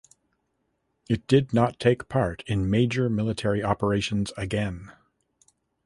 It did not take part in major military operations again.